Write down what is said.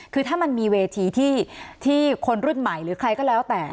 คือถ้ามันมีเวทีที่คนรุ่นใหม่หรือใครก็แล้วแต่